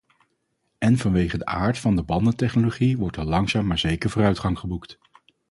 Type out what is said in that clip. En vanwege de aard van de bandentechnologie wordt er langzaam maar zeker vooruitgang geboekt.